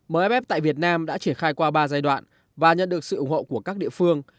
mff tại việt nam đã triển khai qua ba giai đoạn và nhận được sự ủng hộ của các địa phương